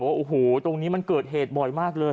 ว่าโอ้โหตรงนี้มันเกิดเหตุบ่อยมากเลย